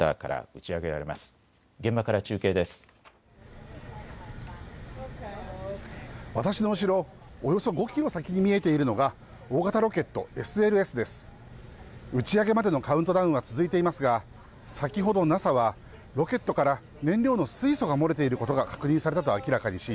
打ち上げまでのカウントダウンは続いていますが先ほどＮＡＳＡはロケットから燃料の水素が漏れていることが確認されたと明らかにし